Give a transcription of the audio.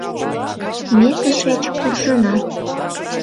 Ме тышеч куржына...